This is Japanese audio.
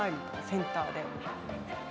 センターで。